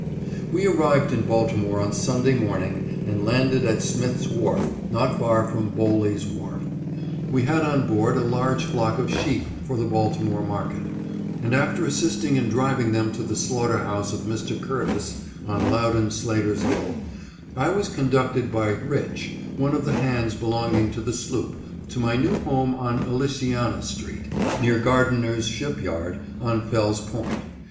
We arrived in Baltimore on Sunday morning, and landed at Smith's wharf, not far from Bowly's wharf. We had on board a large flock of sheep for the Baltimore market ; and after assisting in driving them to the slaugh ter house of Mr. Curtiss, on Loudon Slater's hill, I was conducted by Rich — one of the hands belonging to the sloop — to my new home on Alliciana street, near Gardi ner's ship yard, on Fell's point.